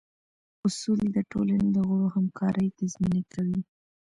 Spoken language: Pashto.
اصول د ټولنې د غړو همکارۍ تضمین کوي.